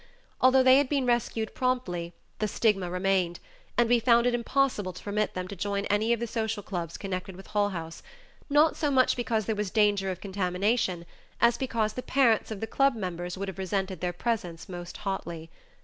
Although they had been rescued promptly, the stigma remained, and we found it impossible to permit them to join any of the social clubs connected with Hull House, not so much because there was danger of contamination, as because the parents of the club members would have resented their presence most hotly.